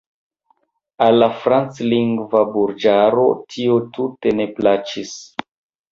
Al la franclingva burĝaro tio tute ne plaĉis.